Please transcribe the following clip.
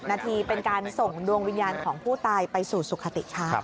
นาทีเป็นการส่งดวงวิญญาณของผู้ตายไปสู่สุขติค่ะ